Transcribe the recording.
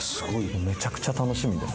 めちゃくちゃ楽しみです。